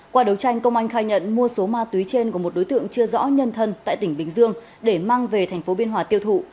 qua đấu tranh công anh khai nhận mua số ma túy trên của một đối tượng chưa rõ nhân thân tại tỉnh bình dương để mang về tp biên hòa tiêu thụ